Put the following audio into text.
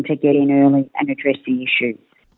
untuk mendapatkan kecepatan dan mengadressi masalah